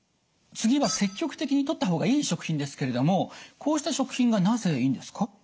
次は積極的にとった方がいい食品ですけれどもこうした食品がなぜいいんですか？